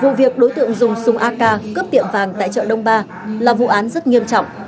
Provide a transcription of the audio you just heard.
vụ việc đối tượng dùng súng ak cướp tiệm vàng tại chợ đông ba là vụ án rất nghiêm trọng